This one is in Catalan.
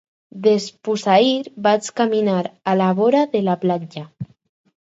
Despús-ahir vaig caminar a la vora de la platja.